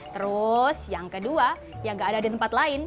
terus yang kedua yang gak ada di tempat lain